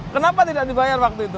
kenapa tidak dibayar waktu itu